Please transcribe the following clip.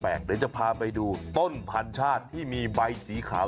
เดี๋ยวจะพาไปดูต้นพันชาติที่มีใบสีขาว